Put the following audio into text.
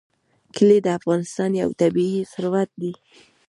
کلي د افغانستان یو ډول طبعي ثروت دی.